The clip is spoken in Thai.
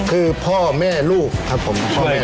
คือพ่อแม่ลูกครับผม